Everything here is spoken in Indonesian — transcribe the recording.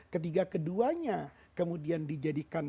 ketiga keduanya kemudian dijadikan